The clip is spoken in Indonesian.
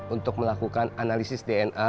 untuk melakukan analisis dna